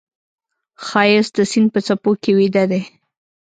ښایست د سیند په څپو کې ویده دی